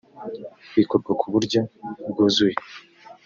bikorwa ku buryo bwuzuye